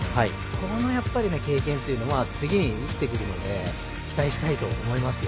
この経験っていうのは次に生きてくるので期待したいと思いますよ。